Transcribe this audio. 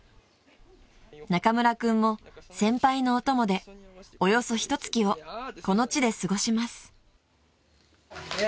［中村君も先輩のお供でおよそひと月をこの地で過ごします］